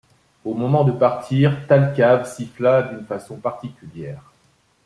Au moment de partir, Thalcave siffla d’une façon particulière.